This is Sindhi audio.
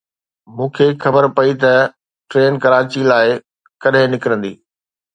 مون کي خبر پئي ته ٽرين ڪراچي لاءِ ڪڏهن نڪرندي.